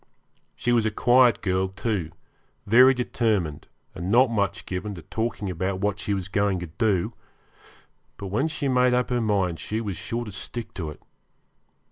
She was a quiet girl, too, very determined, and not much given to talking about what she was going to do; but when she made up her mind she was sure to stick to it.